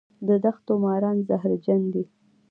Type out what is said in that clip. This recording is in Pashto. د دښتو ماران زهرجن دي